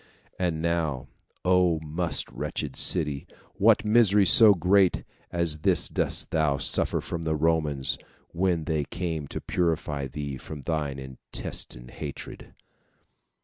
And now, "O most wretched city, what misery so great as this didst thou suffer from the Romans, when they came to purify thee from thy intestine hatred!